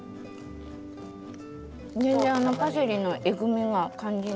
全然パセリのえぐみが感じない。